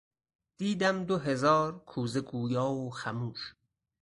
...دیدم دو هزار کوزه گویا و خموش